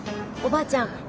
おばあちゃん